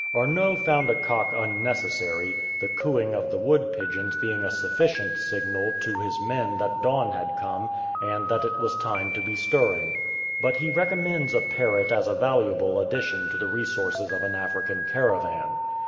Arnot found a cock unnecessary, the cooing of the wood pigeons being a sufficient signal to his men that dawn had come and that it was time to be stirring. But he recommends a parrot as a valuable addition to the resources of an African caravan.